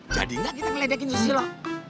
jadi gak kita keledekin susilo